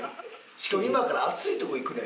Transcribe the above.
しかも今から暑いとこ行くねんで。